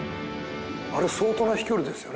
あれ相当な飛距離ですよね